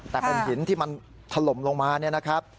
แต่เป็นหินที่มันถล่มลงมา